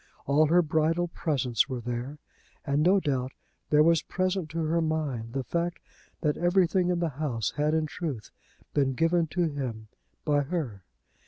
All her bridal presents were there; and no doubt there was present to her mind the fact that everything in the house had in truth been given to him by her.